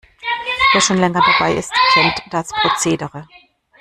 Wer schon länger dabei ist, kennt das Prozedere.